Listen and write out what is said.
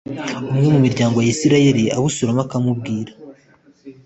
umwe mu miryango ya Isirayeli Abusalomu akamubwira